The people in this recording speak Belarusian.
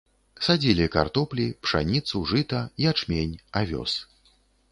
Садзілі картоплі, пшаніцу, жыта, ячмень, авёс.